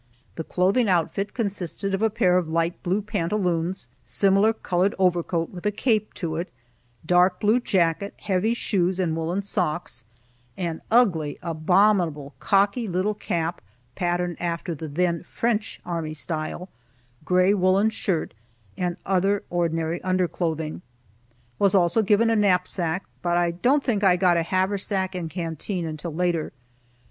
The clothing outfit consisted of a pair of light blue pantaloons, similar colored overcoat with a cape to it, dark blue jacket, heavy shoes and woolen socks, an ugly, abominable cocky little cap patterned after the then French army style, gray woolen shirt, and other ordinary under clothing. Was also given a knapsack, but I think I didn't get a haversack and canteen until later.